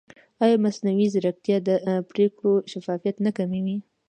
ایا مصنوعي ځیرکتیا د پرېکړې شفافیت نه کموي؟